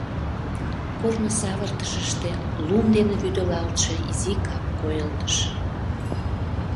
Корно савыртышыште лум дене вӱдылалтше изи кап койылдыш.